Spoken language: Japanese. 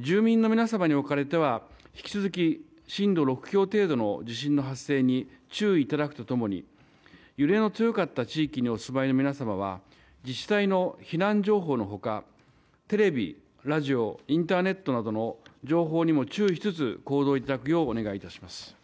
住民の皆様におかれては引き続き震度６強程度の地震の発生に注意いただくとともに揺れの強かった地域にお住まいの皆様は自治体の避難情報のほかテレビ、ラジオインターネットなどの情報にも注意しつつ行動いただくようお願いいたします。